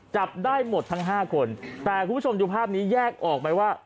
จับได้หมดทั้งห้าคนแต่คุณผู้ชมดูภาพนี้แยกออกไหมว่า